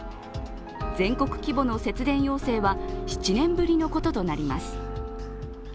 全国規模の節電要請は、７年ぶりのこととなります。